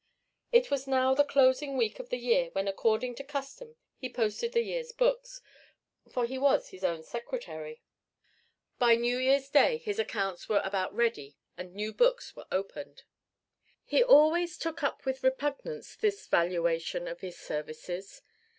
It was now the closing week of the year when according to custom he posted the year's books; for he was his own secretary. By New Year's Day his accounts were about ready and new books were opened. He always took up with repugnance this valuation of his services.